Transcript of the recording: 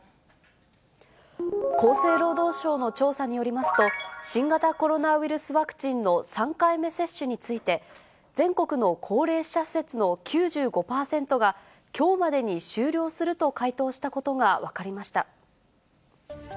厚生労働省の調査によりますと、新型コロナウイルスワクチンの３回目接種について、全国の高齢者施設の９５％が、きょうまでに終了すると回答したことが分かりました。